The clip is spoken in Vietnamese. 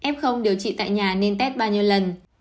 f điều trị tại nhà nên test bao nhiêu lần